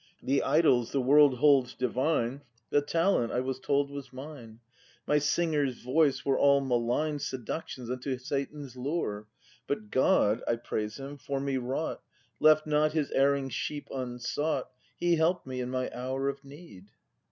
The idols the world holds divine. The talent I was told was mine, My singer's voice, were all malign Seductions unto Satan's lure. But God (I praise Him) for me wrought. Left not His erring sheep unsought, He help'd me in my hour of need.